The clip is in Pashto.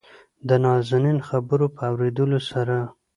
دنازنين خبرو په اورېدلو سره